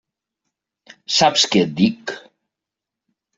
Saps què et dic?